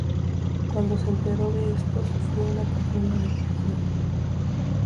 Cuando se enteró de esto sufrió una profunda depresión.